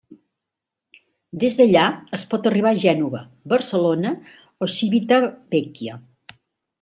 Des d’allà es pot arribar a Gènova, Barcelona o Civitavecchia.